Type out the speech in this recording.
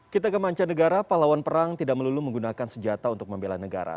kita ke mancanegara pahlawan perang tidak melulu menggunakan senjata untuk membela negara